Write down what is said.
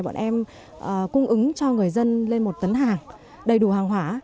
bọn em cung ứng cho người dân lên một tấn hàng đầy đủ hàng hóa